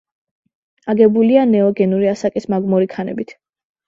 აგებულია ნეოგენური ასაკის მაგმური ქანებით.